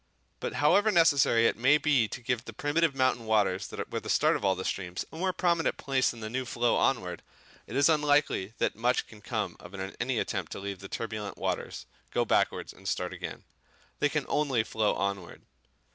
But however necessary it may be to give the primitive mountain waters that were the start of all the streams a more prominent place in the new flow onwards, it is unlikely that much can come of any attempt to leave the turbulent waters, go backwards, and start again; they can only flow onwards.